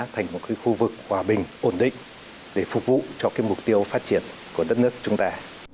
thành một khu vực hòa bình ổn định để phục vụ cho mục tiêu phát triển của đất nước chúng ta